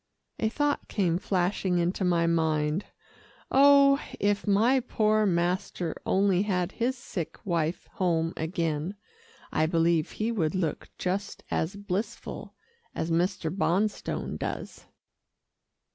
A thought came flashing into my mind. "Oh! if my poor master only had his sick wife home again I believe he would look just as blissful as Mr. Bonstone does."